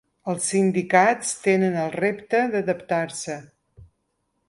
Els sindicats tenen el repte d’adaptar-se.